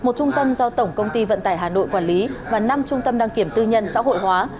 một trung tâm do tổng công ty vận tải hà nội quản lý và năm trung tâm đăng kiểm tư nhân xã hội hóa